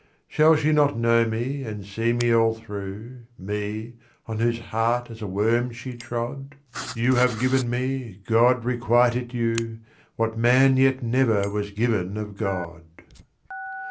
"Shall she not know me and see me all through, Me, on whose heart as a worm she trod? You have given me, God requite it you, What man yet never was given of God."